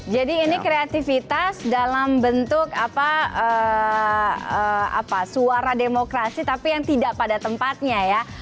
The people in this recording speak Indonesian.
jadi ini kreativitas dalam bentuk suara demokrasi tapi yang tidak pada tempatnya ya